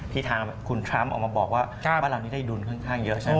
ที่ทางคุณทรัมป์ออกมาบอกว่าว่าเรานี่ได้ดนต์ขึ้นข้างเยอะใช่ไหม